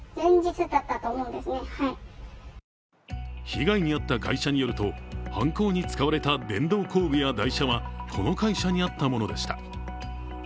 被害に遭った会社によると犯行に使われた電動工具や台車はこの会社にあったものでした。